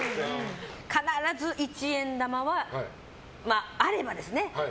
必ず一円玉は、あればですね。